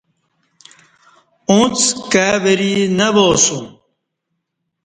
اݩڅ کائی وری نہ وا اسوم